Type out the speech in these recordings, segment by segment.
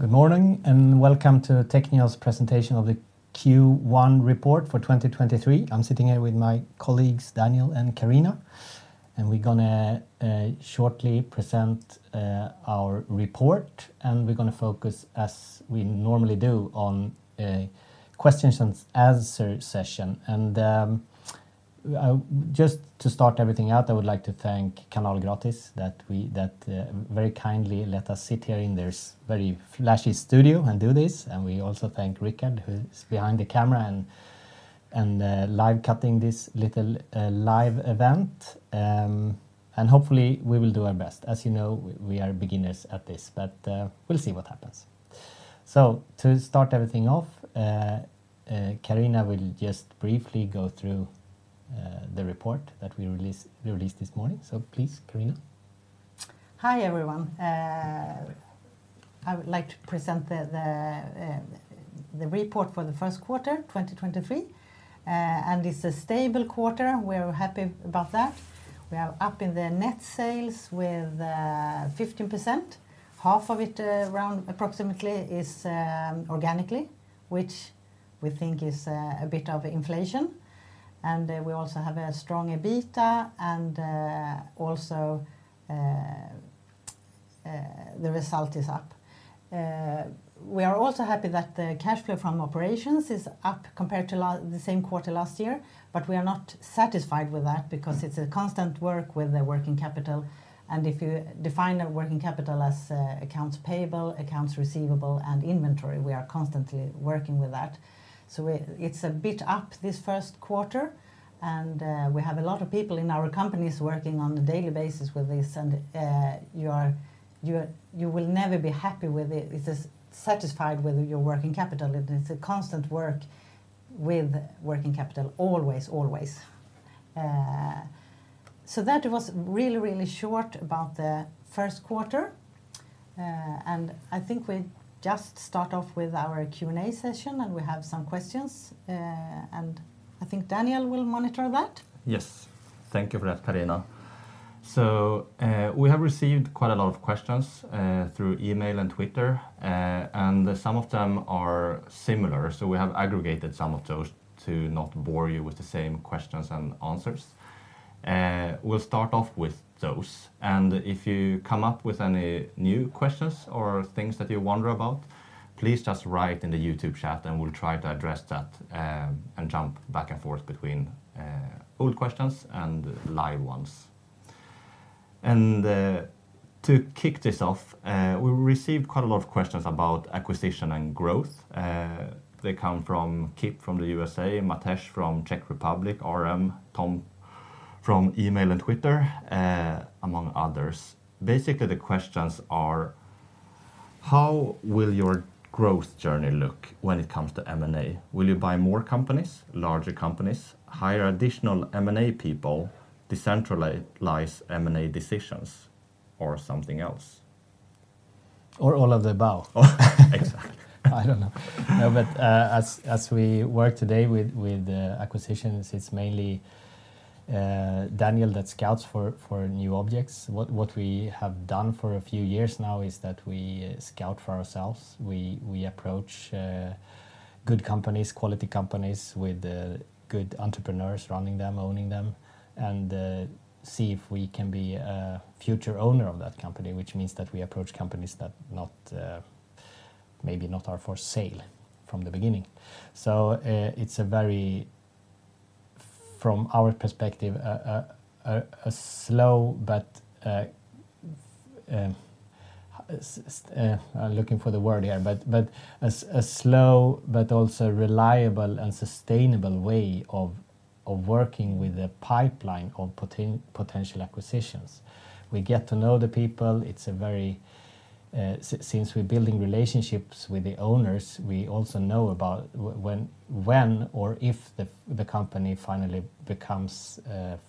Good morning, welcome to Teqnion presentation of the Q1 report for 2023. I'm sitting here with my colleagues, Daniel and Carina, and we're gonna shortly present our report, and we're gonna focus, as we normally do, on a questions and answer session. Just to start everything out, I would like to thank Kanalgratis that very kindly let us sit here in their very flashy studio and do this. We also thank Rickard, who's behind the camera and live cutting this little live event. Hopefully we will do our best. As you know, we are beginners at this, but we'll see what happens. To start everything off, Carina will just briefly go through the report that we released this morning. Please, Carina. Hi, everyone. I would like to present the report for the 1st quarter, 2023. It's a stable quarter. We're happy about that. We are up in the net sales with 15%. Half of it, around approximately is organically, which we think is a bit of inflation. We also have a strong EBITDA and also the result is up. We are also happy that the cash flow from operations is up compared to the same quarter last year, but we are not satisfied with that because it's a constant work with the working capital. If you define a working capital as accounts payable, accounts receivable, and inventory, we are constantly working with that. It's a bit up this 1st quarter, and we have a lot of people in our companies working on a daily basis with this and you are, you will never be happy with it. It is satisfied with your working capital. It is a constant work with working capital always. That was really, really short about the 1st quarter. I think we just start off with our Q&A session, and we have some questions. I think Daniel will monitor that. Thank you for that, Carina. We have received quite a lot of questions through email and Twitter, and some of them are similar. We have aggregated some of those to not bore you with the same questions and answers. We'll start off with those. If you come up with any new questions or things that you wonder about, please just write in the YouTube chat, and we'll try to address that and jump back and forth between old questions and live ones. To kick this off, we received quite a lot of questions about acquisition and growth. They come from Kip from the USA, Mates from Czech Republic, RM, Tom from email and Twitter, among others. Basically, the questions are: how will your growth journey look when it comes to M&A? Will you buy more companies, larger companies, hire additional M&A people, decentralize M&A decisions or something else? All of the above? Exactly. I don't know. No. As we work today with acquisitions, it's mainly Daniel that scouts for new objects. What we have done for a few years now is that we scout for ourselves. We approach good companies, quality companies with good entrepreneurs running them, owning them, and see if we can be a future owner of that company, which means that we approach companies that not maybe not are for sale from the beginning. It's a very, from our perspective, a slow but also reliable and sustainable way of working with a pipeline of potential acquisitions. We get to know the people. It's a very. Since we're building relationships with the owners, we also know about when or if the company finally becomes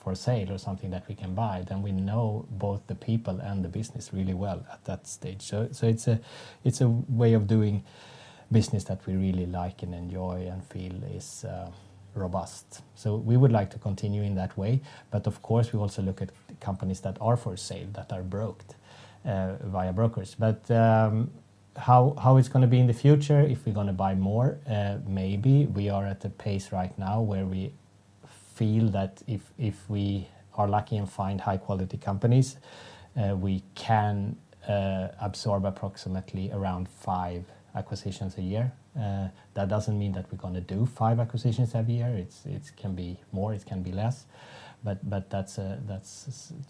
for sale or something that we can buy, then we know both the people and the business really well at that stage. It's a way of doing business that we really like and enjoy and feel is robust. We would like to continue in that way. Of course, we also look at companies that are for sale, that are broked via brokers. How it's gonna be in the future, if we're gonna buy more, maybe we are at a pace right now where we feel that if we are lucky and find high quality companies, we can absorb approximately around five acquisitions a year. That doesn't mean that we're gonna do five acquisitions every year. It's can be more, it can be less. But that's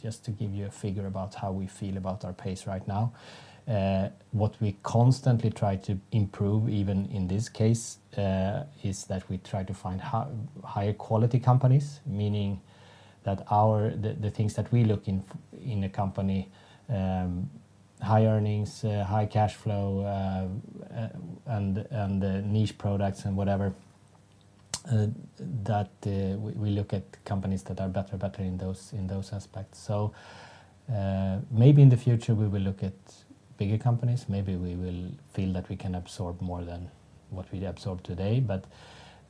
just to give you a figure about how we feel about our pace right now. What we constantly try to improve, even in this case, is that we try to find higher quality companies, meaning that the things that we look in a company, high earnings, high cash flow, and niche products and whatever, that we look at companies that are better in those aspects. Maybe in the future, we will look at bigger companies. Maybe we will feel that we can absorb more than what we absorb today.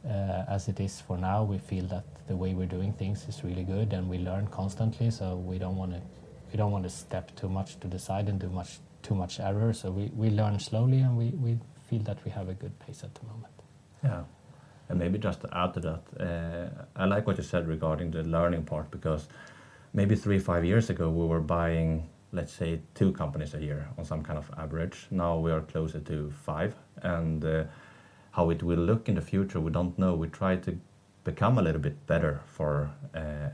As it is for now, we feel that the way we're doing things is really good, and we learn constantly, so we don't wanna step too much to the side and do much, too much error. We learn slowly, and we feel that we have a good pace at the moment. Yeah. Maybe just to add to that, I like what you said regarding the learning part, because maybe three, five years ago we were buying, let's say, two companies a year on some kind of average. Now we are closer to five, and, how it will look in the future, we don't know. We try to become a little bit better for,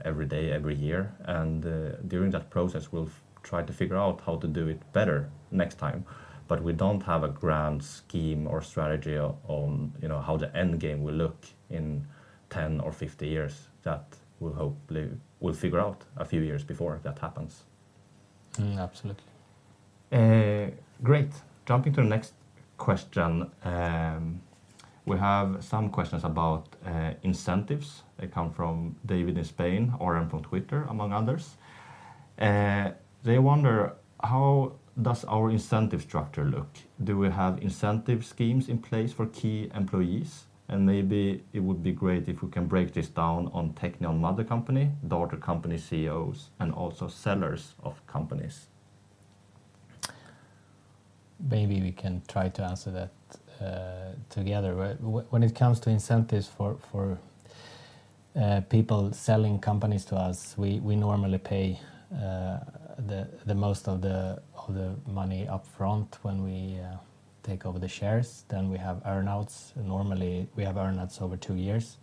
every day, every year, and, during that process, we'll try to figure out how to do it better next time. We don't have a grand scheme or strategy on, you know, how the end game will look in 10 or 50 years. That we'll hopefully figure out a few years before that happens. Absolutely. Great. Jumping to the next question, we have some questions about incentives. They come from David in Spain, Oren from Twitter, among others. They wonder how does our incentive structure look? Do we have incentive schemes in place for key employees? Maybe it would be great if we can break this down on Teqnion mother company, daughter company CEOs, and also sellers of companies. Maybe we can try to answer that together. When it comes to incentives for people selling companies to us, we normally pay the most of the money up front when we take over the shares. Then we have earn-outs. Normally, we have earn-outs over two years,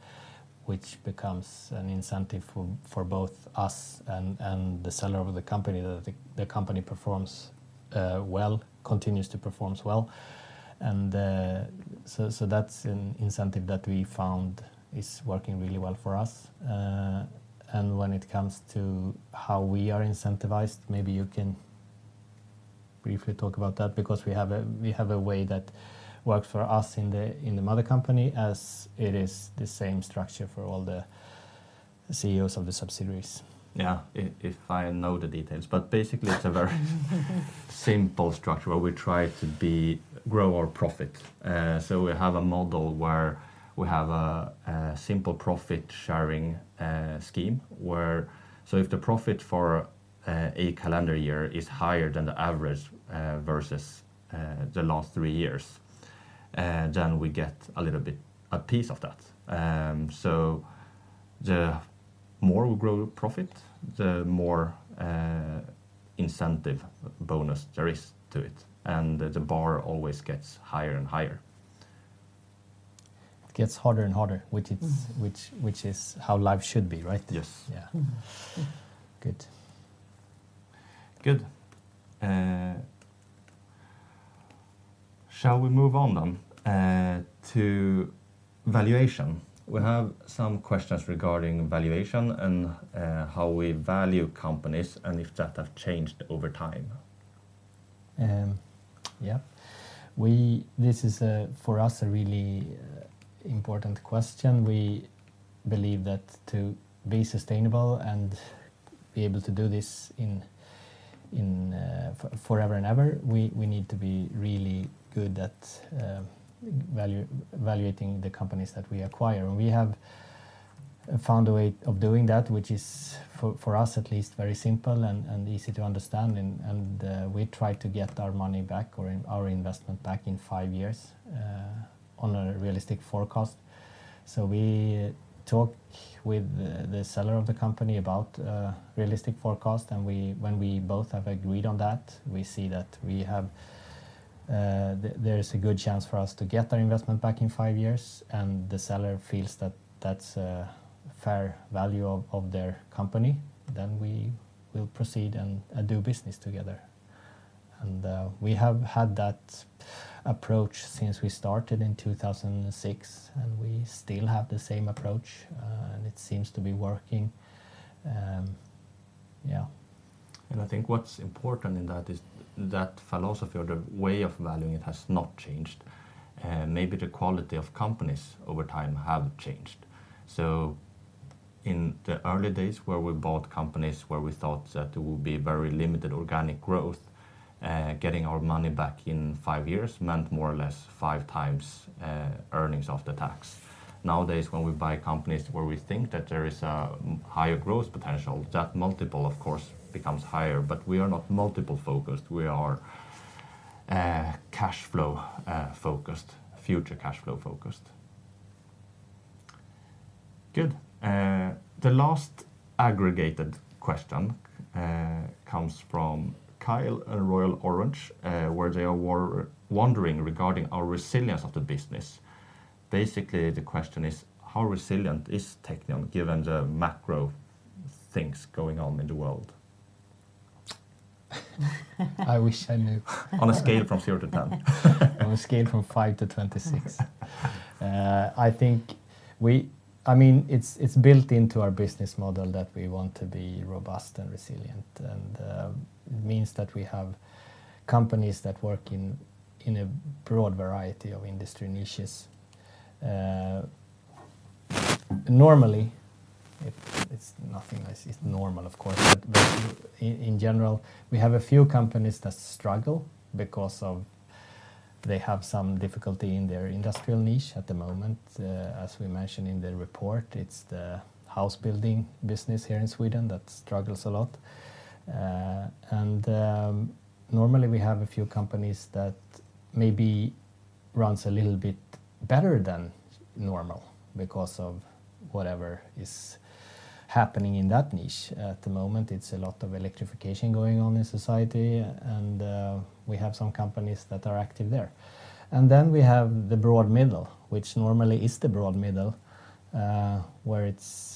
which becomes an incentive for both us and the seller of the company that the company performs well, continues to performs well. So that's an incentive that we found is working really well for us. When it comes to how we are incentivized, maybe you can briefly talk about that because we have a way that works for us in the mother company as it is the same structure for all the CEOs of the subsidiaries. Yeah. If I know the details. It's a very simple structure where we try to grow our profit. We have a model where we have a simple profit-sharing scheme where, if the profit for a calendar year is higher than the average versus the last three years, then we get a piece of that. The more we grow profit, the more incentive bonus there is to it. The bar always gets higher and higher. It gets harder and harder, which it's, which is how life should be, right? Yes. Yeah. Good. Good. Shall we move on then to valuation? We have some questions regarding valuation and how we value companies and if that has changed over time. Yeah. We, this is, for us, a really important question. We believe that to be sustainable and be able to do this in, forever and ever, we need to be really good at valuating the companies that we acquire. We have found a way of doing that, which is for us at least, very simple and easy to understand. We try to get our money back or our investment back in five years, on a realistic forecast. We talk with the seller of the company about a realistic forecast, and we, when we both have agreed on that, we see that there is a good chance for us to get our investment back in five years, and the seller feels that that's a fair value of their company, then we will proceed and do business together. We have had that approach since we started in 2006, and we still have the same approach, and it seems to be working. Yeah. I think what's important in that is that philosophy or the way of valuing it has not changed. Maybe the quality of companies over time have changed. In the early days, where we bought companies where we thought that there would be very limited organic growth, getting our money back in five years meant more or less 5x earnings after tax. Nowadays, when we buy companies where we think that there is a higher growth potential, that multiple of course becomes higher, but we are not multiple-focused. We are cash flow focused, future cash flow focused. Good. The last aggregated question comes from Kyle at Royal Orange, where they are wondering regarding our resilience of the business. Basically, the question is, how resilient is Teqnion given the macro things going on in the world? I wish I knew. On a scale from zero to 10. On a scale from five to 26. I mean, it's built into our business model that we want to be robust and resilient. It means that we have companies that work in a broad variety of industry niches. Normally, it's nothing nice is normal, of course, but in general, we have a few companies that struggle because of they have some difficulty in their industrial niche at the moment. As we mentioned in the report, it's the house building business here in Sweden that struggles a lot. Normally we have a few companies that maybe runs a little bit better than normal because of whatever is happening in that niche. At the moment, it's a lot of electrification going on in society, and we have some companies that are active there. Then we have the broad middle, which normally is the broad middle, where it's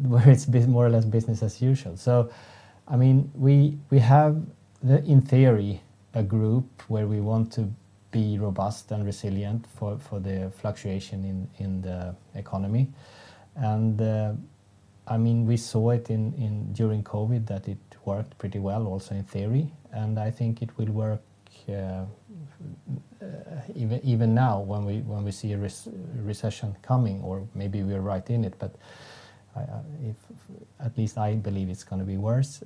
more or less business as usual. I mean, we have the, in theory, a group where we want to be robust and resilient for the fluctuation in the economy. I mean, we saw it in during COVID that it worked pretty well also in theory, and I think it will work even now when we see a recession coming or maybe we are right in it. If at least I believe it's gonna be worse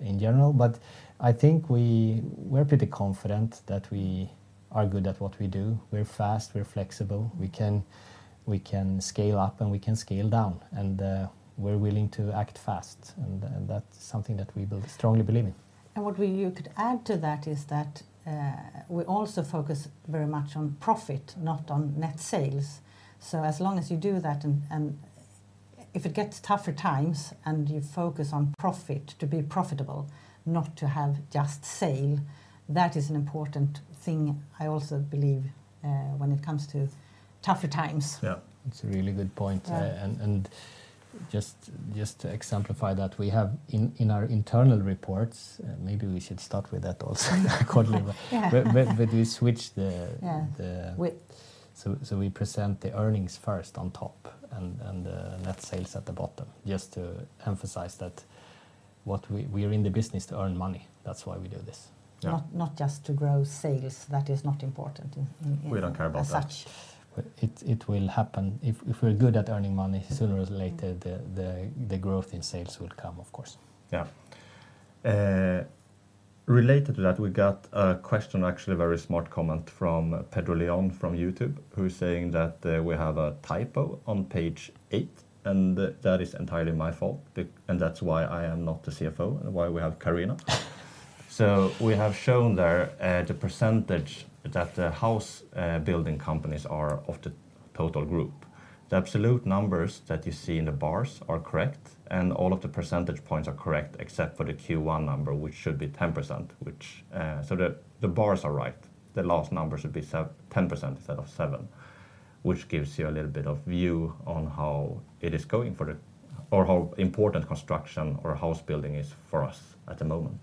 in general, but I think we're pretty confident that we are good at what we do. We're fast, we're flexible, we can scale up and we can scale down, and we're willing to act fast and that's something that we both strongly believe in. What we could add to that is that, we also focus very much on profit, not on net sales. As long as you do that, and if it gets tougher times and you focus on profit to be profitable, not to have just sale, that is an important thing, I also believe, when it comes to tougher times. Yeah. It's a really good point. Yeah. Just to exemplify that, we have in our internal reports, maybe we should start with that also quarterly. Yeah. We switch. Yeah The... Width We present the earnings first on top and, net sales at the bottom, just to emphasize that what we are in the business to earn money. That's why we do this. Yeah. Not just to grow sales. That is not important in-. We don't care about that. ... as such. It will happen. If we're good at earning money, sooner or later, the growth in sales will come, of course. Related to that, we got a question, actually a very smart comment from Pedro Leon from YouTube, who is saying that we have a typo on page eight, and that is entirely my fault and that's why I am not the CFO and why we have Carina. We have shown there the percentage that the house building companies are of the total group. The absolute numbers that you see in the bars are correct, and all of the percentage points are correct except for the Q1 number, which should be 10%, which... The bars are right. The last numbers should be 10% instead of 7%, which gives you a little bit of view on how it is going for the, or how important construction or house building is for us at the moment.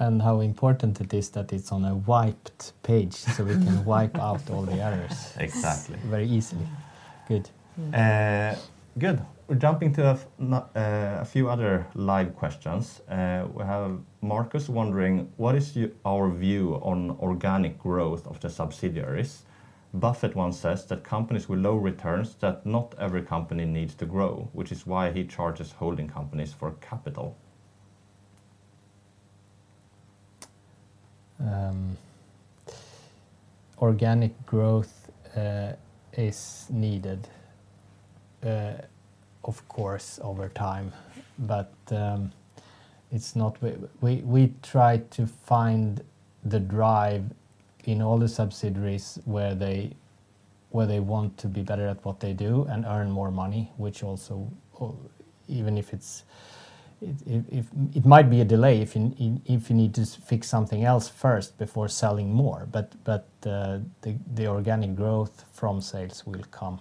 How important it is that it's on a wiped page, so we can wipe out all the errors. Exactly Very easily. Good. Mm. Good. We're jumping to a few other live questions. We have Marcus wondering, "What is your view on organic growth of the subsidiaries? Buffett once says that companies with low returns, that not every company needs to grow, which is why he charges holding companies for capital. Organic growth is needed, of course over time. It's not we try to find the drive in all the subsidiaries where they want to be better at what they do and earn more money, which also, or even if it's ... If it might be a delay if in, if you need to fix something else first before selling more. The organic growth from sales will come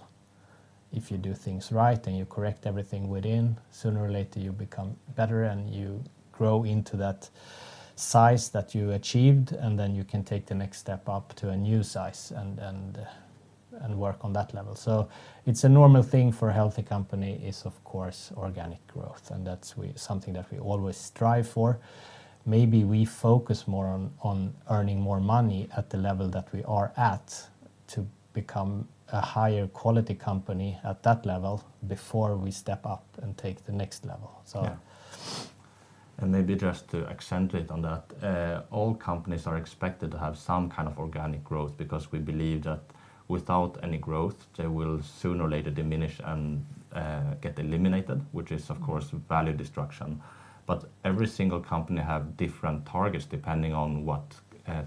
if you do things right and you correct everything within, sooner or later you become better and you grow into that size that you achieved, and then you can take the next step up to a new size and work on that level. It's a normal thing for a healthy company is, of course, organic growth, and that's we...... something that we always strive for. Maybe we focus more on earning more money at the level that we are at to become a higher quality company at that level before we step up and take the next level. Yeah. Maybe just to accentuate on that, all companies are expected to have some kind of organic growth because we believe that without any growth, they will sooner or later diminish and get eliminated, which is of course value destruction. Every single company have different targets depending on what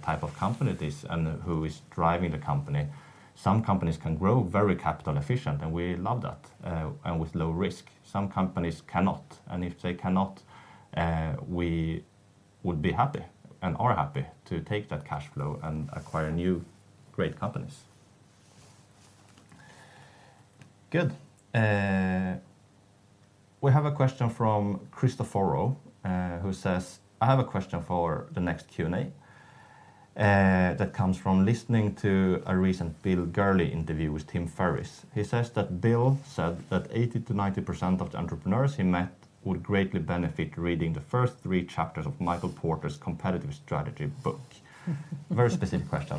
type of company it is and who is driving the company. Some companies can grow very capital efficient, and we love that, and with low risk. Some companies cannot, and if they cannot, we would be happy and are happy to take that cash flow and acquire new great companies. Good. We have a question from Cristoforo, who says, "I have a question for the next Q&A, that comes from listening to a recent Bill Gurley interview with Tim Ferriss. He says that Bill said that 80%-90% of the entrepreneurs he met would greatly benefit reading the first three chapters of Michael Porter's Competitive Strategy book." Very specific question.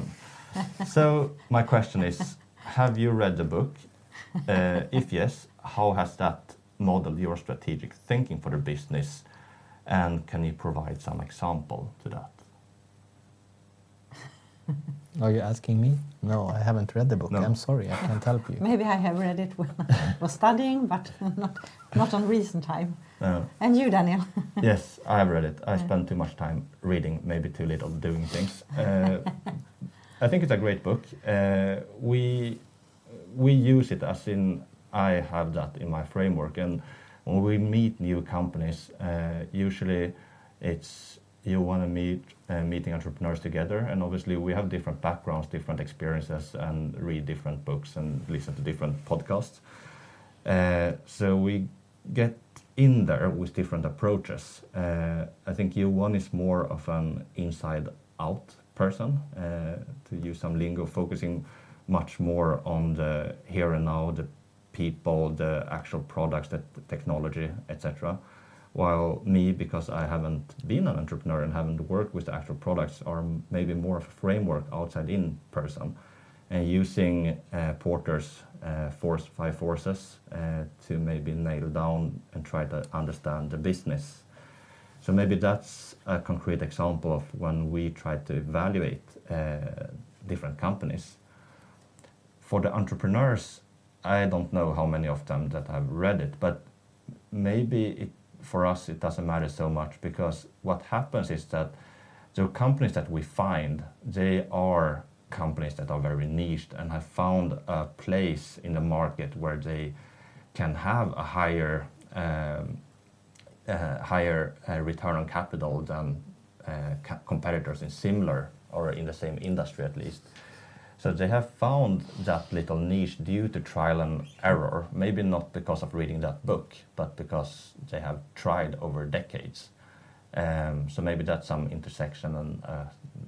My question is, have you read the book? If yes, how has that modeled your strategic thinking for the business, and can you provide some example to that? Are you asking me? No, I haven't read the book. No. I'm sorry, I can't help you. Maybe I have read it when I was studying, not on recent time. No. You, Daniel? Yes, I have read it. Yeah. I spend too much time reading, maybe too little doing things. I think it's a great book. We use it as in I have that in my framework. When we meet new companies, usually it's you wanna meet meeting entrepreneurs together. Obviously we have different backgrounds, different experiences, read different books, and listen to different podcasts. We get in there with different approaches. I think Johan is more of an inside out person, to use some lingo, focusing much more on the here and now, the people, the actual products, the technology, et cetera, while me, because I haven't been an entrepreneur and haven't worked with the actual products, are maybe more of a framework outside in person, and using Porter's force, five forces, to maybe nail down and try to understand the business. Maybe that's a concrete example of when we try to evaluate different companies. For the entrepreneurs, I don't know how many of them that have read it, but maybe it, for us, it doesn't matter so much because what happens is that the companies that we find, they are companies that are very niched and have found a place in the market where they can have a higher, a higher, return on capital than competitors in similar or in the same industry at least. They have found that little niche due to trial and error, maybe not because of reading that book, but because they have tried over decades. Maybe that's some intersection and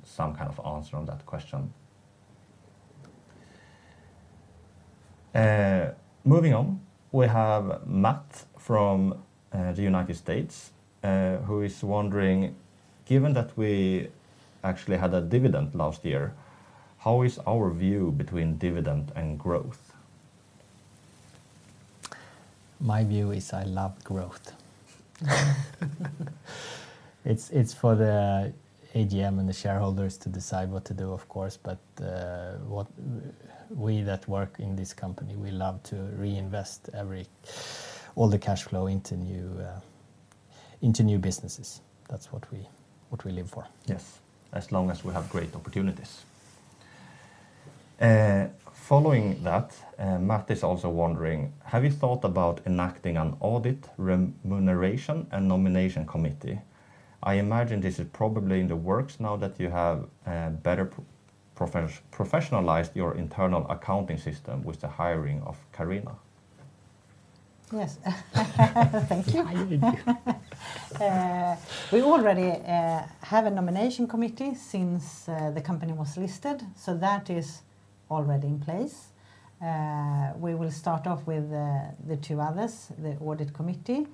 some kind of answer on that question. Moving on, we have Matt from the United States, who is wondering, given that we actually had a dividend last year, how is our view between dividend and growth? My view is I love growth. It's for the AGM and the shareholders to decide what to do, of course, but what we that work in this company, we love to reinvest all the cash flow into new businesses. That's what we live for. Yes. As long as we have great opportunities. Following that, Matt is also wondering, have you thought about enacting an audit remuneration and nomination committee? I imagine this is probably in the works now that you have better professionalized your internal accounting system with the hiring of Carina. Yes. Thank you. Hiring. We already have a nomination committee since the company was listed. That is already in place. We will start off with the two others, the audit committee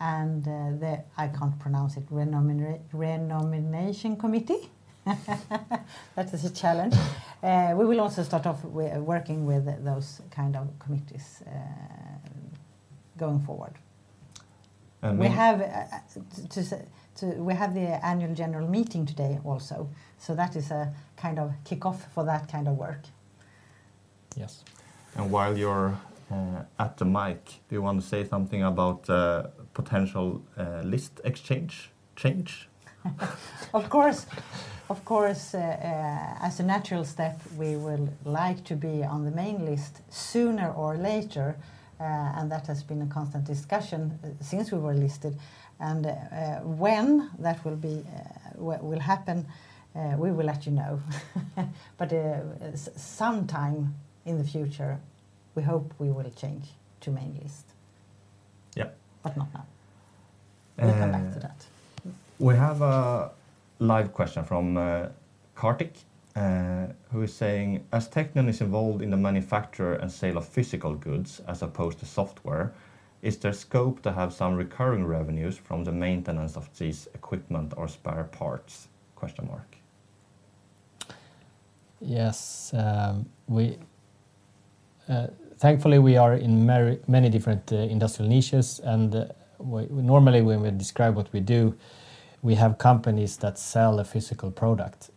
and the, I can't pronounce it, renomination committee. That is a challenge. We will also start off working with those kind of committees going forward. And we- We have the annual general meeting today also, so that is a kind of kickoff for that kind of work. Yes. While you're at the mic, do you want to say something about potential list exchange, change? Of course. Of course, as a natural step, we will like to be on the main list sooner or later. That has been a constant discussion since we were listed. When that will be, will happen, we will let you know. Sometime in the future, we hope we will change to main list. Yeah. Not now. Uh- We'll come back to that. We have a live question from Kartik, who is saying, "As Teqnion is involved in the manufacture and sale of physical goods as opposed to software, is there scope to have some recurring revenues from the maintenance of this equipment or spare parts?" Question mark. We, thankfully, we are in many different industrial niches, and normally, when we describe what we do, we have companies that sell a physical product.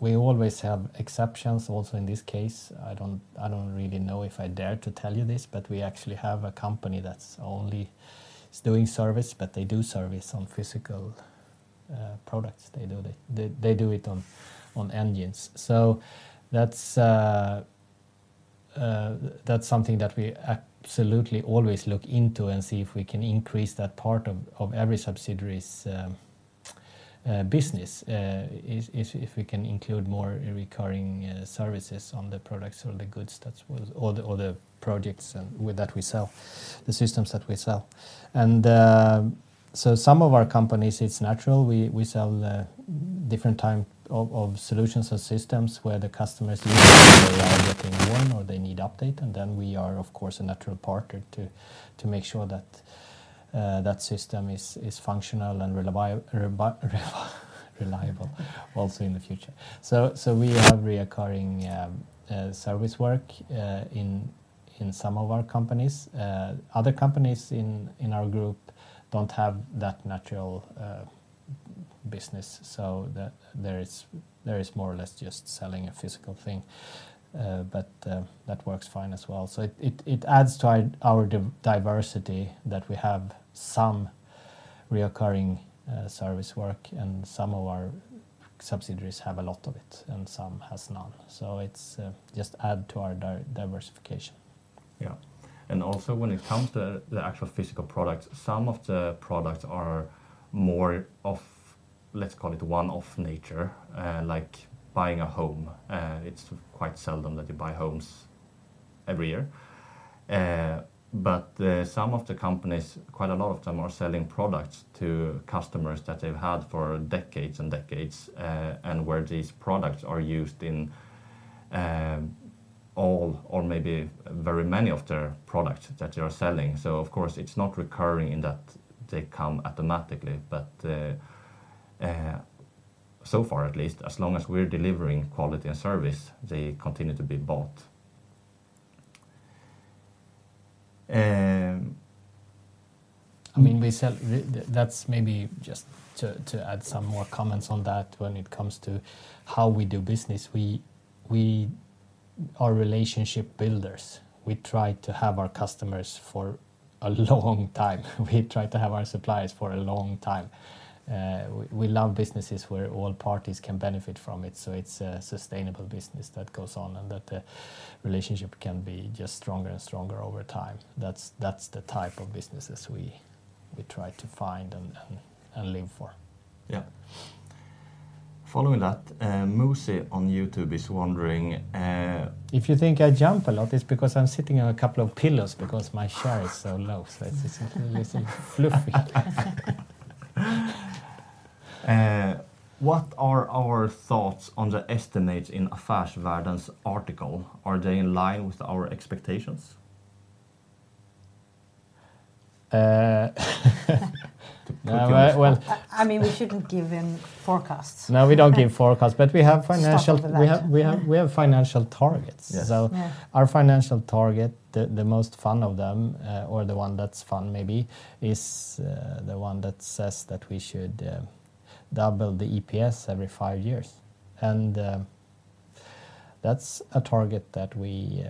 We always have exceptions also in this case. I don't really know if I dare to tell you this, but we actually have a company that's only is doing service, but they do service on physical products. They do it on engines. That's something that we absolutely always look into and see if we can increase that part of every subsidiary's business, if we can include more recurring services on the products or the goods that's what, or the projects, with that we sell, the systems that we sell. Some of our companies, it's natural. We sell different type of solutions and systems where the customers usually they are getting worn or they need update, and then we are of course a natural partner to make sure that system is functional and reliable also in the future. We have recurring service work in some of our companies. Other companies in our group don't have that natural business, there is more or less just selling a physical thing. That works fine as well. It adds to our diversity that we have some recurring service work and some of our subsidiaries have a lot of it and some has none. It's just add to our diversification. Yeah. Also when it comes to the actual physical products, some of the products are more of, let's call it one-off nature, like buying a home. It's quite seldom that you buy homes every year. Some of the companies, quite a lot of them are selling products to customers that they've had for decades and decades, and where these products are used in all or maybe very many of their products that they are selling. Of course, it's not recurring in that they come automatically. So far at least, as long as we're delivering quality and service, they continue to be bought. I mean, we sell. That's maybe just to add some more comments on that when it comes to how we do business, we are relationship builders. We try to have our customers for a long time. We try to have our suppliers for a long time. We love businesses where all parties can benefit from it. It's a sustainable business that goes on and that the relationship can be just stronger and stronger over time. That's the type of businesses we try to find and live for. Yeah. Following that, Moose on YouTube is wondering, If you think I jump a lot, it's because I'm sitting on a couple of pillows because my chair is so low, so it's fluffy. What are our thoughts on the estimates in Affärsvärlden's article? Are they in line with our expectations? Uh, well- I mean, we shouldn't give him forecasts. No, we don't give forecasts, but we have financial- Stop with that. We have financial targets. Yes. Yeah. Our financial target, the most fun of them, or the one that's fun maybe is, the one that says that we should double the EPS every five years. That's a target that we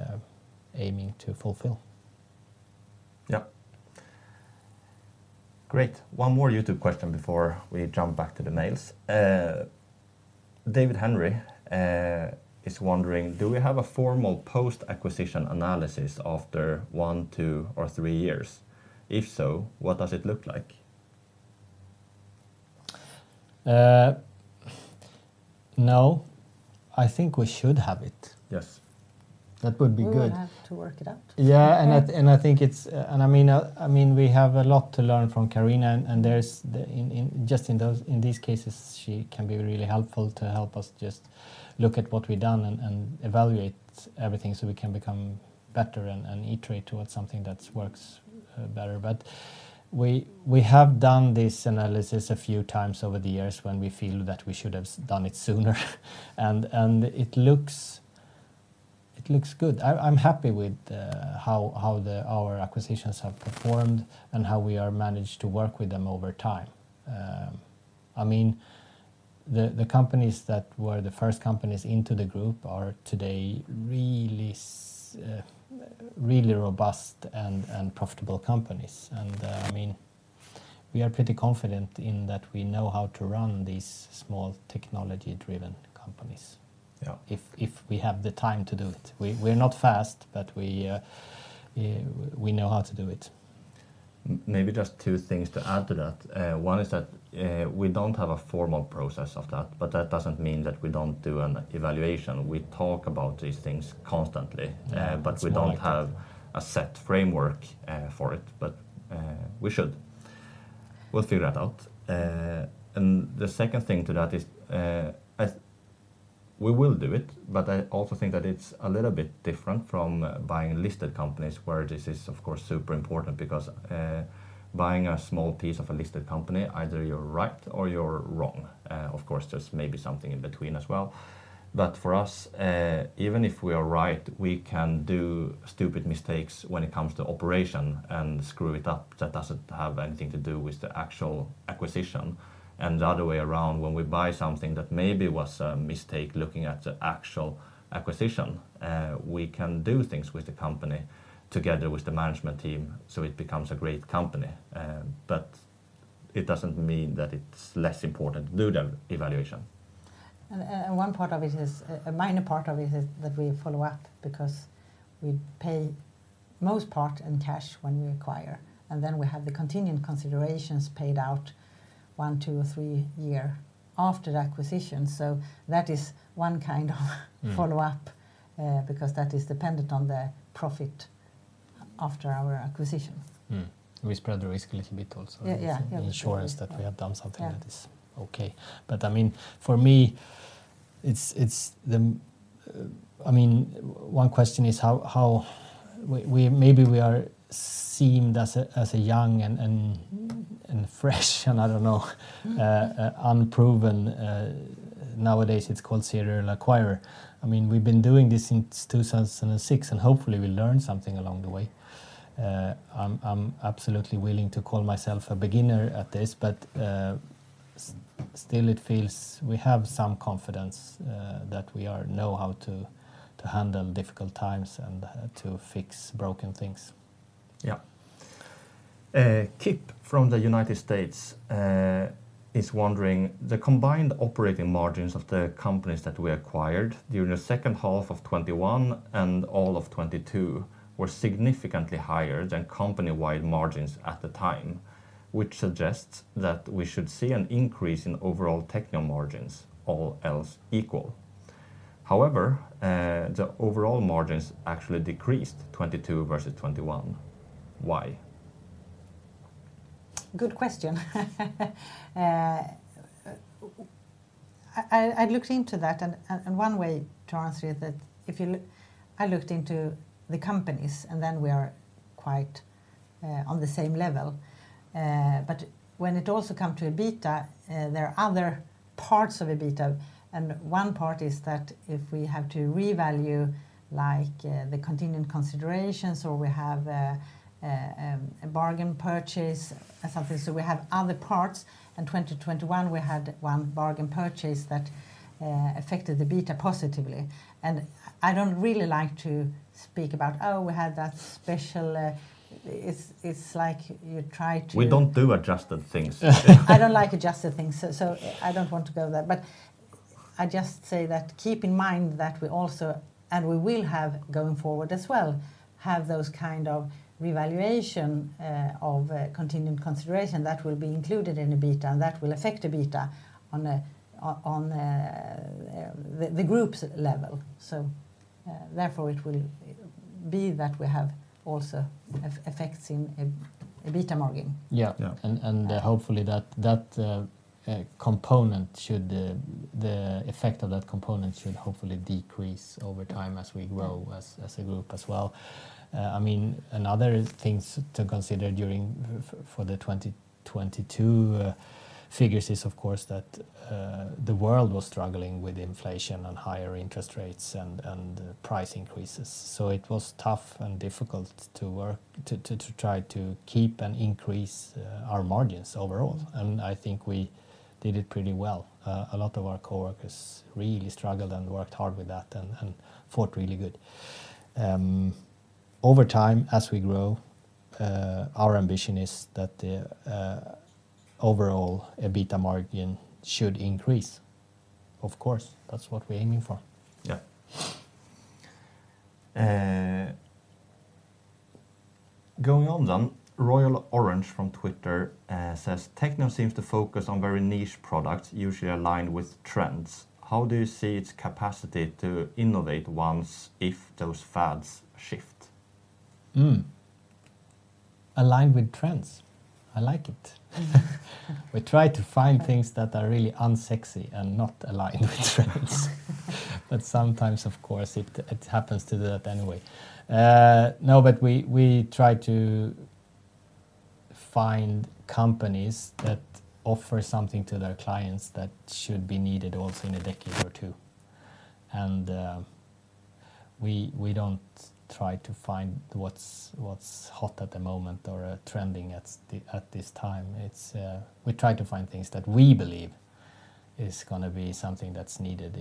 aiming to fulfill. Yep. Great. One more YouTube question before we jump back to the mails. David Henry is wondering, do we have a formal post-acquisition analysis after one, two, or three years? If so, what does it look like? No. I think we should have it. Yes. That would be good. We will have to work it out. I mean, we have a lot to learn from Carina, and there's the, just in these cases, she can be really helpful to help us just look at what we've done and evaluate everything so we can become better and iterate towards something that works better. We have done this analysis a few times over the years when we feel that we should have done it sooner, and it looks good. I'm happy with how our acquisitions have performed and how we are managed to work with them over time. I mean, the companies that were the first companies into the group are today really robust and profitable companies. I mean, we are pretty confident in that we know how to run these small technology-driven companies. Yeah If we have the time to do it. We're not fast, but we know how to do it. Maybe just two things to add to that. One is that, we don't have a formal process of that, but that doesn't mean that we don't do an evaluation. We talk about these things constantly. That's right. We don't have a set framework for it. We should. We'll figure that out. The second thing to that is, we will do it, but I also think that it's a little bit different from buying listed companies where this is of course super important because buying a small piece of a listed company, either you're right or you're wrong. Of course, there's maybe something in between as well. For us, even if we are right, we can do stupid mistakes when it comes to operation and screw it up. That doesn't have anything to do with the actual acquisition. The other way around, when we buy something that maybe was a mistake looking at the actual acquisition, we can do things with the company together with the management team, so it becomes a great company. It doesn't mean that it's less important to do the evaluation. One part of it is a minor part of it that we follow up because we pay most part in cash when we acquire, and then we have the continuing considerations paid out one, two, or three year after the acquisition. That is one kind of follow-up because that is dependent on the profit after our acquisitions. We spread the risk a little bit also. Yeah, yeah. Insurance that we have done something that is okay. I mean, for me, it's the. I mean, one question is how we maybe we are seemed as a young and fresh and I don't know, unproven, nowadays it's called serial acquirer. I mean, we've been doing this since 2006. Hopefully we learn something along the way. I'm absolutely willing to call myself a beginner at this. Still it feels we have some confidence that we are know how to handle difficult times and to fix broken things. Kip from the United States is wondering, the combined operating margins of the companies that we acquired during the 2nd half of 2021 and all of 2022 were significantly higher than company-wide margins at the time, which suggests that we should see an increase in overall Teqnion margins, all else equal. However, the overall margins actually decreased 2022 versus 2021. Why? Good question. I looked into that and one way to answer it that I looked into the companies, we are quite on the same level. When it also come to EBITDA, there are other parts of EBITDA, and one part is that if we have to revalue, like, the continuing considerations or we have a bargain purchase or something, we have other parts. In 2021 we had one bargain purchase that affected the EBITDA positively. I don't really like to speak about, "Oh, we had that special," it's like you try to. We don't do adjusted things. I don't like adjusted things, so I don't want to go there. I just say that keep in mind that we also, and we will have going forward as well, have those kind of revaluation of continuing consideration that will be included in EBITDA and that will affect EBITDA on the group's level. Therefore it will be that we have also effects in EBITDA margin. Yeah. Yeah. Hopefully that component should the effect of that component should hopefully decrease over time as we grow as a group as well. I mean, another things to consider during for the 2022 figures is of course that the world was struggling with inflation and higher interest rates and price increases. It was tough and difficult to work, to try to keep and increase our margins overall, and I think we did it pretty well. A lot of our coworkers really struggled and worked hard with that and fought really good. Over time, as we grow, our ambition is that the overall EBITDA margin should increase. Of course, that's what we're aiming for. Yeah. Going on, Royal Orange from Twitter says, "Teqnion seems to focus on very niche products, usually aligned with trends. How do you see its capacity to innovate once if those fads shift? Aligned with trends. I like it. We try to find things that are really unsexy and not aligned with trends. Sometimes, of course, it happens to that anyway. No, but we try to find companies that offer something to their clients that should be needed also in a decade or two. We don't try to find what's hot at the moment or trending at this time. It's we try to find things that we believe is gonna be something that's needed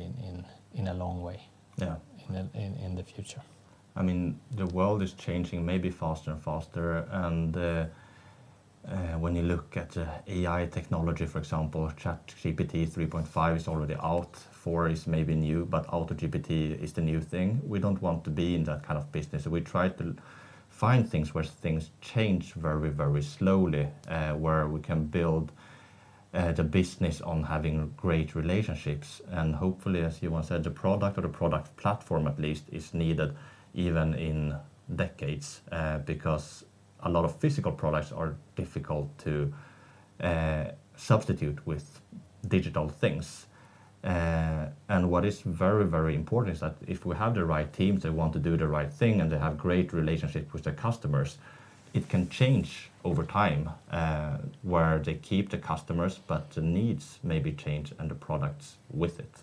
in a long way. Yeah And maybe in the, in the future. I mean, the world is changing maybe faster and faster, and when you look at AI technology, for example, ChatGPT-3.5 is already out. ChatGPT-4 is maybe new, but AutoGPT is the new thing. We don't want to be in that kind of business. We try to find things where things change very, very slowly, where we can build the business on having great relationships. Hopefully, as Johan said, the product or the product platform at least is needed even in decades, because a lot of physical products are difficult to substitute with digital things. What is very, very important is that if we have the right teams that want to do the right thing and they have great relationships with their customers, it can change over time, where they keep the customers, but the needs maybe change and the products with it.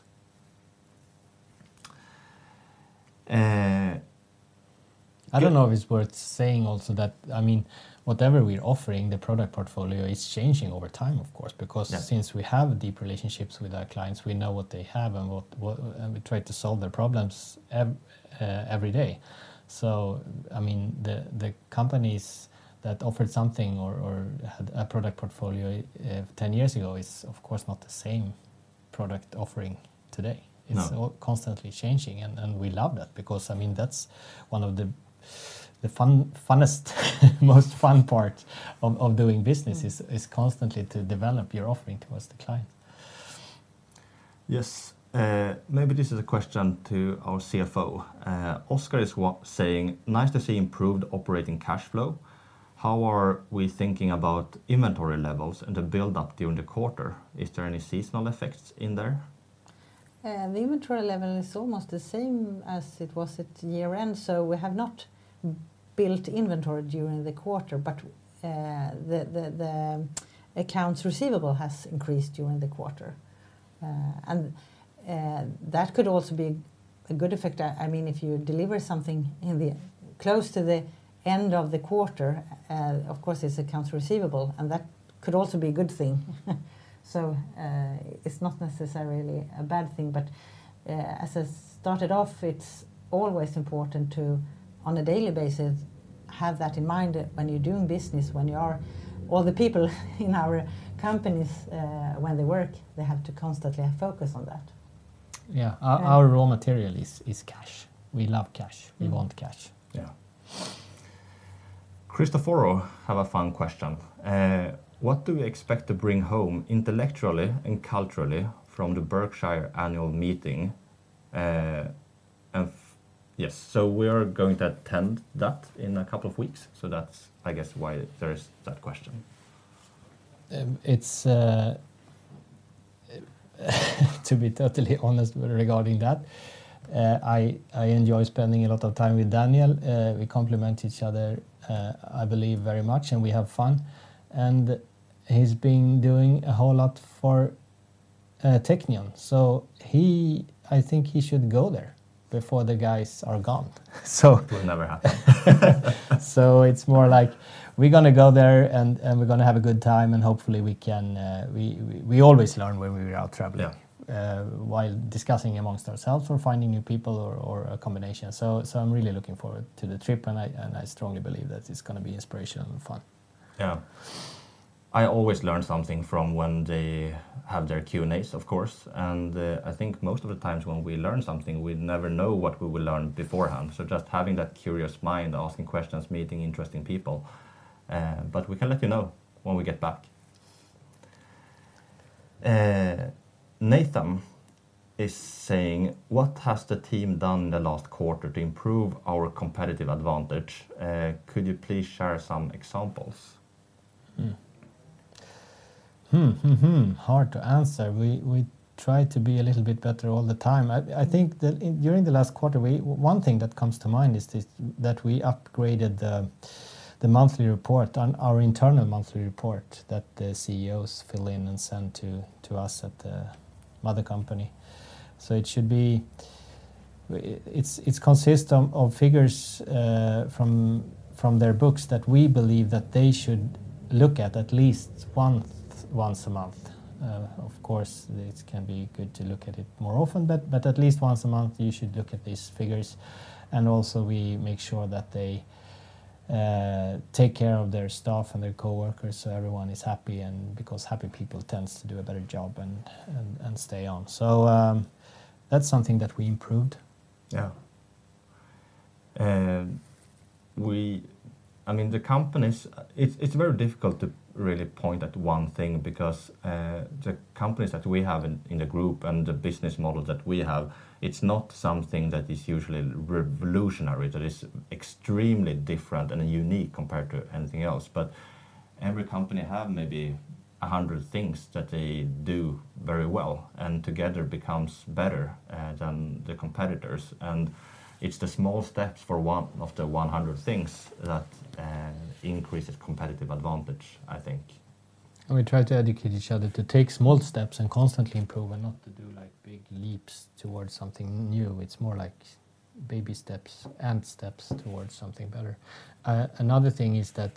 I don't know if it's worth saying also that, I mean, whatever we're offering, the product portfolio is changing over time, of course. Yeah. Since we have deep relationships with our clients, we know what they have and what, and we try to solve their problems every day. I mean, the companies that offered something or had a product portfolio 10 years ago is of course not the same product offering today. No. It's constantly changing and we love that because, I mean, that's one of the fun-funnest, most fun part of doing business is constantly to develop your offering towards the client. Yes. Maybe this is a question to our CFO. Oscar is saying, "Nice to see improved operating cash flow." How are we thinking about inventory levels and the build-up during the quarter? Is there any seasonal effects in there? The inventory level is almost the same as it was at year-end, so we have not built inventory during the quarter. The accounts receivable has increased during the quarter. That could also be a good effect. I mean, if you deliver something in the, close to the end of the quarter, of course, it's accounts receivable, and that could also be a good thing. It's not necessarily a bad thing, but as I started off, it's always important to, on a daily basis, have that in mind when you're doing business, when you are. All the people in our companies, when they work, they have to constantly focus on that. Yeah. Yeah. Our raw material is cash. We love cash. Mm. We want cash. Yeah. Christopher O have a fun question. What do we expect to bring home intellectually and culturally from the Berkshire annual meeting? Yes, we are going to attend that in a couple of weeks, so that's, I guess, why there is that question. It's... To be totally honest with regarding that, I enjoy spending a lot of time with Daniel. We complement each other, I believe, very much, and we have fun, and he's been doing a whole lot for Teqnion. He, I think he should go there before the guys are gone. So- Will never happen. It's more like we're gonna go there, and we're gonna have a good time, and hopefully we can. We always learn when we are out traveling. Yeah. While discussing amongst ourselves or finding new people or a combination. I'm really looking forward to the trip, and I strongly believe that it's gonna be inspirational and fun. Yeah. I always learn something from when they have their Q&As, of course, and, I think most of the times when we learn something, we never know what we will learn beforehand, so just having that curious mind, asking questions, meeting interesting people. We can let you know when we get back. Nathan is saying, "What has the team done in the last quarter to improve our competitive advantage? Could you please share some examples? Hard to answer. We try to be a little bit better all the time. I think that in, during the last quarter, One thing that comes to mind is this, that we upgraded the monthly report on our internal monthly report that the CEOs fill in and send to us at the mother company. It should be, It consist of figures from their books that we believe that they should look at at least once a month. Of course, it can be good to look at it more often, but at least once a month you should look at these figures. Also we make sure that they, take care of their staff and their coworkers so everyone is happy, and because happy people tends to do a better job and stay on. That's something that we improved. Yeah. I mean, the companies, it's very difficult to really point at one thing because, the companies that we have in the group and the business model that we have, it's not something that is usually revolutionary, that is extremely different and unique compared to anything else. Every company have maybe 100 things that they do very well, and together becomes better than the competitors, and it's the small steps for one of the 100 things that increases competitive advantage, I think. We try to educate each other to take small steps and constantly improve and not to do, like, big leaps towards something new. It's more like baby steps, ant steps towards something better. Another thing is that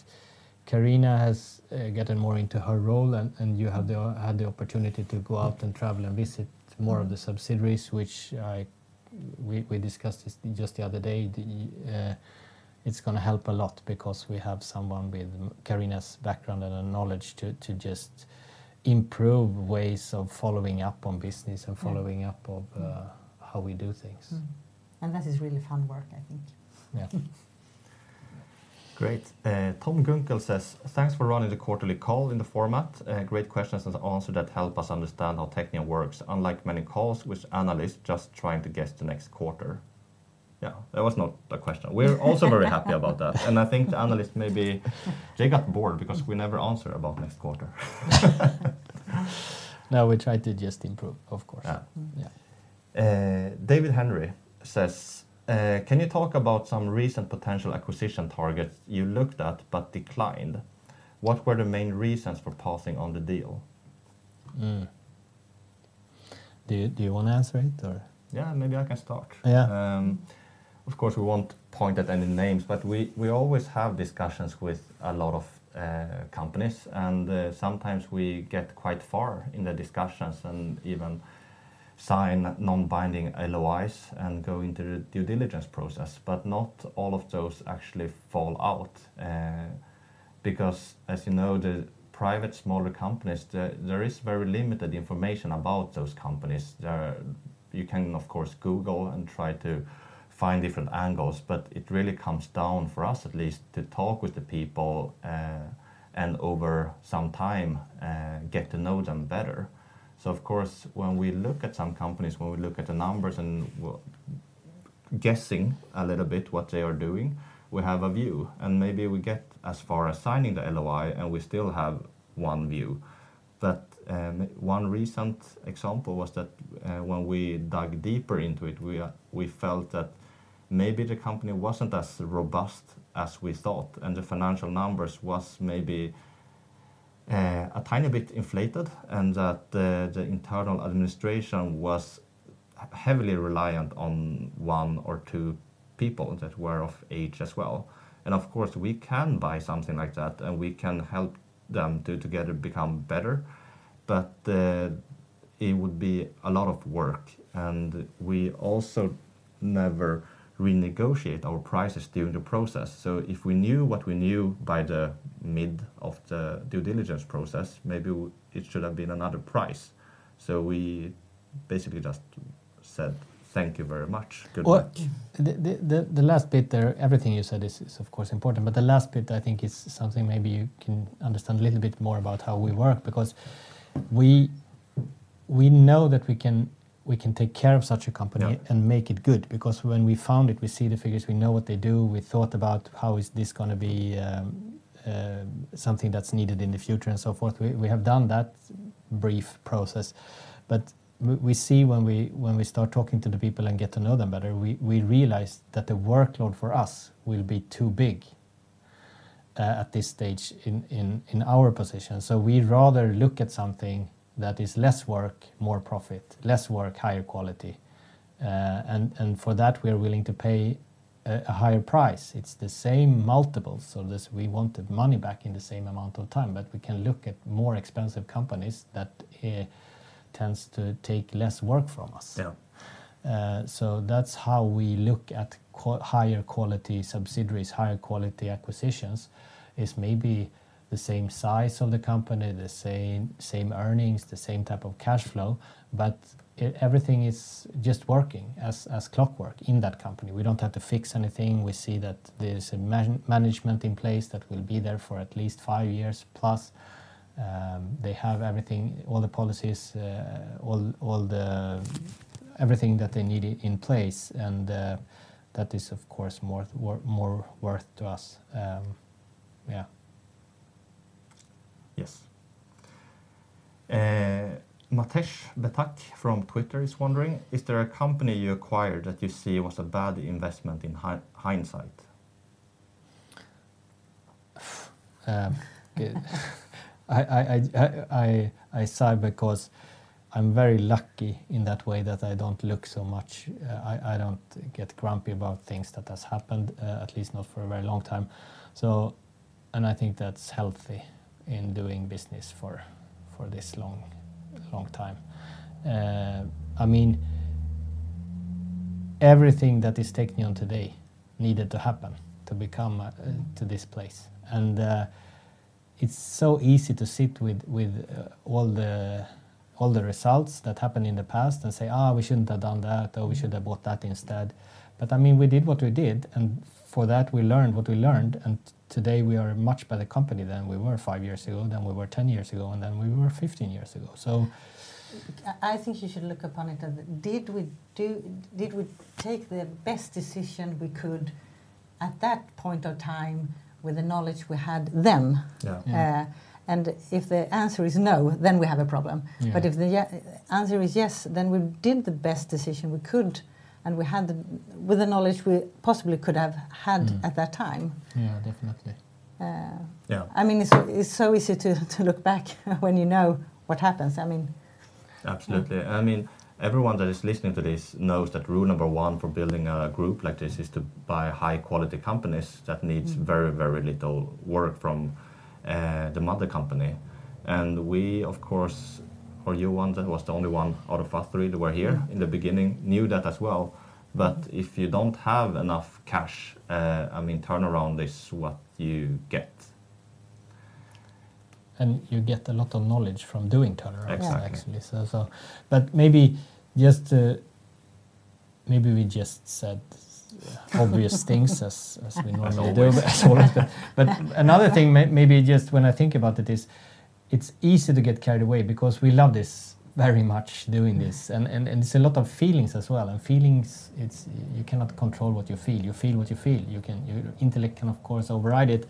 Carina has gotten more into her role and you had the opportunity to go out and travel and visit more of the subsidiaries, which we discussed this just the other day. It's gonna help a lot because we have someone with Carina's background and her knowledge to just improve ways of following up on business, following up of, how we do things. That is really fun work, I think. Yeah. Great. Tom Gunkel says, "Thanks for running the quarterly call in the format. Great questions and answer that help us understand how Teqnion works, unlike many calls with analysts just trying to guess the next quarter." That was not the question. We're also very happy about that, I think the analysts may be, they got bored because we never answer about next quarter. No, we try to just improve, of course. Yeah. Mm. Yeah. David Henry says, "Can you talk about some recent potential acquisition targets you looked at but declined? What were the main reasons for passing on the deal? Do you wanna answer it or? Yeah, maybe I can start. Yeah. Of course, we won't point at any names, but we always have discussions with a lot of companies. Sometimes we get quite far in the discussions and even sign non-binding LOIs and go into the due diligence process, but not all of those actually fall out. As you know, the private smaller companies, there is very limited information about those companies. There. You can of course Google and try to find different angles, but it really comes down for us at least to talk with the people, and over some time, get to know them better. Of course, when we look at some companies, when we look at the numbers and what, guessing a little bit what they are doing, we have a view, and maybe we get as far as signing the LOI, and we still have one view. One recent example was that, when we dug deeper into it, we felt that maybe the company wasn't as robust as we thought, and the financial numbers was maybe a tiny bit inflated, and that the internal administration was heavily reliant on one or two people that were of age as well. Of course, we can buy something like that, and we can help them do together, become better. It would be a lot of work, and we also never renegotiate our prices during the process. If we knew what we knew by the mid of the due diligence process, maybe it should have been another price. We basically just said, "Thank you very much. Good luck. Well, the last bit there, everything you said is of course important, but the last bit I think is something maybe you can understand a little bit more about how we work, because we know that we can take care of such a company and make it good. When we found it, we see the figures, we know what they do, we thought about how is this gonna be something that's needed in the future and so forth. We have done that brief process. We see when we start talking to the people and get to know them better, we realize that the workload for us will be too big at this stage in our position. We'd rather look at something that is less work, more profit, less work, higher quality. For that, we're willing to pay a higher price. It's the same multiples, so this, we want the money back in the same amount of time. We can look at more expensive companies that tends to take less work from us. Yeah. That's how we look at higher quality subsidiaries, higher quality acquisitions, is maybe the same size of the company, the same earnings, the same type of cash flow, but everything is just working as clockwork in that company. We don't have to fix anything. We see that there's management in place that will be there for at least five years plus. They have everything, all the policies, all the everything that they need in place, and that is of course more worth to us. Yeah. Yes. Matoš Batak from Twitter is wondering, "Is there a company you acquired that you see was a bad investment in hindsight? Phew. I sigh because I'm very lucky in that way that I don't look so much, I don't get grumpy about things that has happened, at least not for a very long time. I think that's healthy in doing business for this long, long time. I mean, everything that is Teqnion today needed to happen to become to this place. It's so easy to sit with all the results that happened in the past and say, "We shouldn't have done that," or, "We should have bought that instead." I mean, we did what we did, and for that, we learned what we learned, and today we are a much better company than we were five years ago, than we were 10 years ago, and than we were 15 years ago. I think you should look upon it as did we take the best decision we could at that point of time with the knowledge we had then? Yeah. Mm-hmm. If the answer is no, then we have a problem. Yeah. If the answer is yes, then we did the best decision we could, and with the knowledge we possibly could have had at that time. Yeah, definitely. Uh... Yeah. I mean, it's so easy to look back when you know what happens. I mean. Absolutely. I mean, everyone that is listening to this knows that rule number one for building a group like this is to buy high quality companies that needs very, very little work from the mother company. We of course, or you, Johan, was the only one out of us three that were here in the beginning, knew that as well. If you don't have enough cash, I mean, turnaround is what you get. You get a lot of knowledge from doing turnaround, actually. Yeah. Maybe just, maybe we just said obvious things as we normally do. Another thing maybe just when I think about it is, it's easy to get carried away because we love this very much, doing this. It's a lot of feelings as well, and feelings, it's, you cannot control what you feel. You feel what you feel. You can, your intellect can of course override it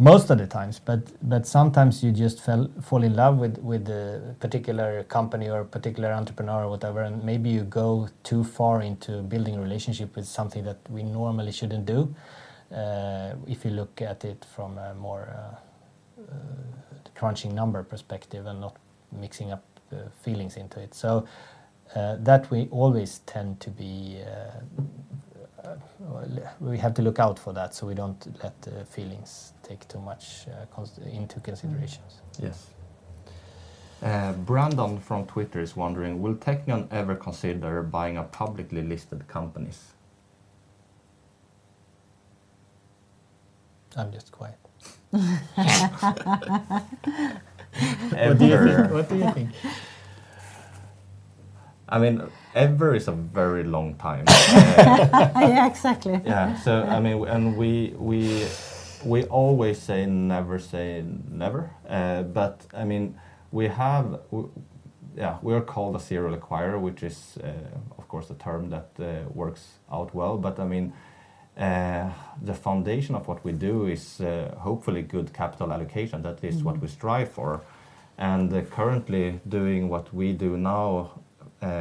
most of the times, but sometimes you just fall in love with a particular company or a particular entrepreneur or whatever, and maybe you go too far into building a relationship with something that we normally shouldn't do, if you look at it from a more crunching number perspective and not mixing up feelings into it. That we always tend to be. We have to look out for that so we don't let feelings take too much into considerations. Yes. Brandon from Twitter is wondering, "Will Teqnion ever consider buying a publicly listed companies? I'm just quiet. Ever. What do you think? I mean, ever is a very long time. Yeah, exactly. Yeah. I mean, and we always say never say never. I mean, we have, yeah, we are called a serial acquirer, which is, of course, a term that works out well. I mean, the foundation of what we do is hopefully good capital allocation. That is what we strive for. Currently doing what we do now,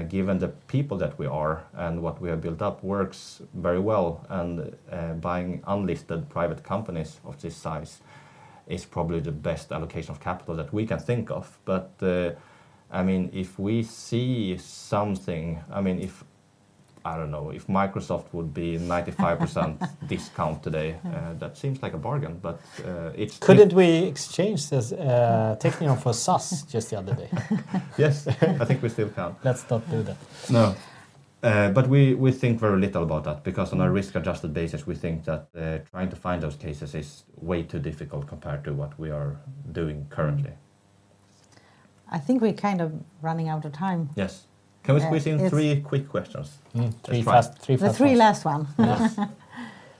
given the people that we are and what we have built up, works very well, and buying unlisted private companies of this size is probably the best allocation of capital that we can think of. I mean, if we see something, I mean, if, I don't know, if Microsoft would be 95% discount today... that seems like a bargain. Couldn't we exchange this, Teqnion for SAS just the other day? Yes. I think we still can. Let's not do that. No. We think very little about that because on a risk-adjusted basis, we think that, trying to find those cases is way too difficult compared to what we are doing currently. I think we're kind of running out of time. Yes. Yeah, it's- Can we squeeze in three quick questions? Three fast ones. The three last one. Yes.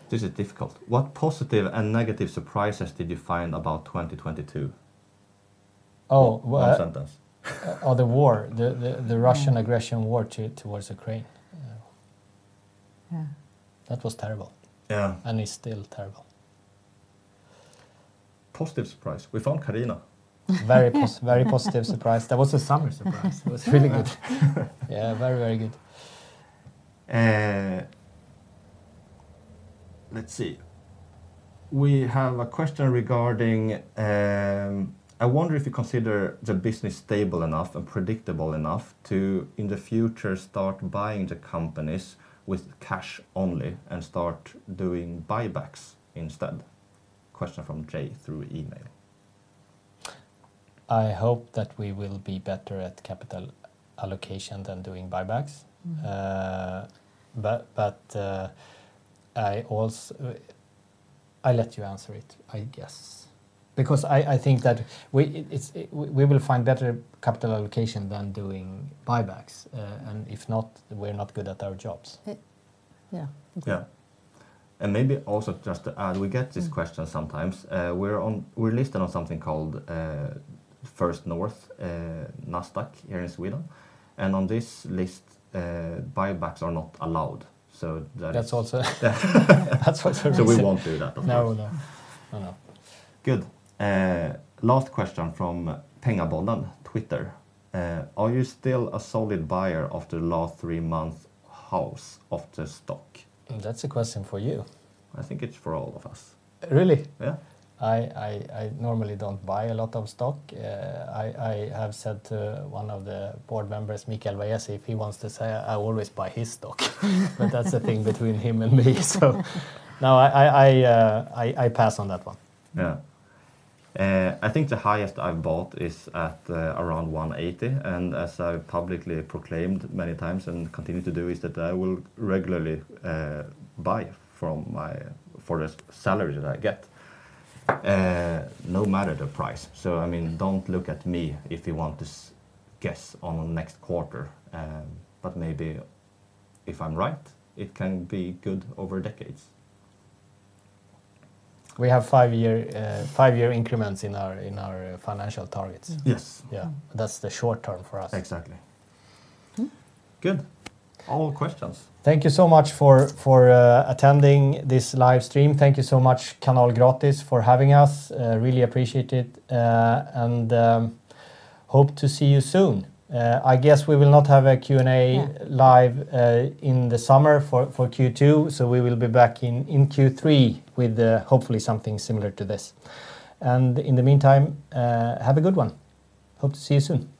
This is difficult. What positive and negative surprises did you find about 2022? Oh, well. One sentence. Oh, the war. The Russian aggression war towards Ukraine. Yeah. That was terrible. Yeah. It's still terrible. Positive surprise. We found Carina. Very positive surprise. That was a summer surprise. It was really good. Yeah. Very good. Let's see. We have a question regarding, I wonder if you consider the business stable enough and predictable enough to, in the future, start buying the companies with cash only and start doing buybacks instead? Question from Jay through email. I hope that we will be better at capital allocation than doing buybacks. Mm. I also, I let you answer it, I guess, because I think that we will find better capital allocation than doing buybacks. If not, we're not good at our jobs. Yeah. Yeah. Maybe also just to add, we get this question sometimes. We're listed on something called First North, Nasdaq here in Sweden, and on this list, buybacks are not allowed. That's also. Yeah. That's also reason. We won't do that, of course. No, no. No, no. Good. last question from Pengabonden, Twitter. are you still a solid buyer after last three months house of the stock? That's a question for you. I think it's for all of us. Really? Yeah. I normally don't buy a lot of stock. I have said to one of the board members, Mikael Vaezi, if he wants to sell, I always buy his stock. That's a thing between him and me, no, I pass on that one. I think the highest I've bought is at around 180, as I publicly proclaimed many times and continue to do, is that I will regularly buy from my, for the salary that I get, no matter the price. I mean, don't look at me if you want to guess on next quarter. Maybe if I'm right, it can be good over decades. We have five year increments in our financial targets. Yes. Yeah. That's the short term for us. Exactly. Mm. Good. All questions. Thank you so much for attending this live stream. Thank you so much, Kanalgratis, for having us. Really appreciate it. Hope to see you soon. I guess we will not have a Q&A, live, in the summer for Q2, so we will be back in Q3 with, hopefully something similar to this. In the meantime, have a good one. Hope to see you soon.